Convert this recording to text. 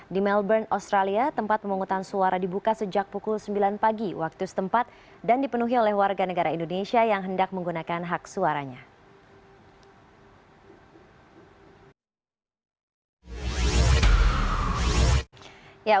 di melbourne australia tempat pemungutan suara dibuka sejak pukul sembilan pagi waktu setempat dan dipenuhi oleh warga negara indonesia yang hendak menggunakan hak suaranya